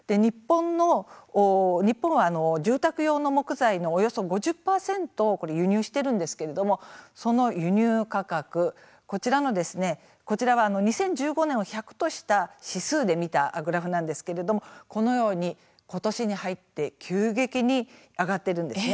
日本の住宅用の木材のおよそ５０％を輸入しているんですけれども、その輸入価格２０１５年を１００とした指数で見たグラフなんですけれどもこのように、ことしに入って急激に上がっているんですね。